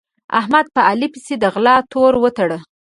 احمد په علي پسې د غلا تور وتاړه.